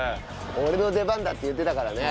俺の出番だ！って言ってたからね。